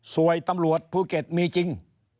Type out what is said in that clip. ตำรวจภูเก็ตมีจริง